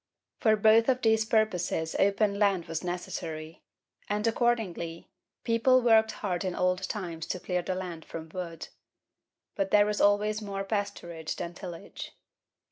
For both of these purposes open land was necessary; and accordingly, people worked hard in old times to clear the land from wood. But there was always more pasturage than tillage.